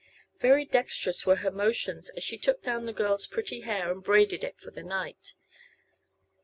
Very dextrous were her motions as she took down the girl's pretty hair and braided it for the night.